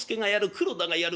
黒田がやる。